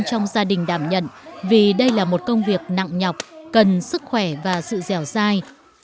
trong gia đình đảm nhận vì đây là một công việc nặng nhọc cần sức khỏe và sự dẻo dai